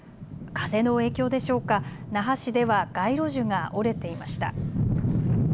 風の影響でしょうか、那覇市では街路樹が折れていました。